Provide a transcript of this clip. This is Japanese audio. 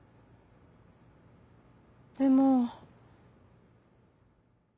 「でも」。